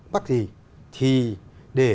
bắt gì thì để